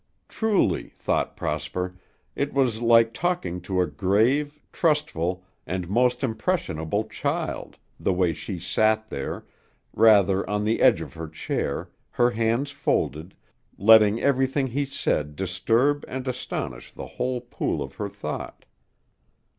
Truly, thought Prosper, it was like talking to a grave, trustful, and most impressionable child, the way she sat there, rather on the edge of her chair, her hands folded, letting everything he said disturb and astonish the whole pool of her thought.